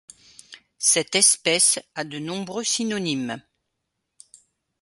Cette espèce a de nombreux synonymes.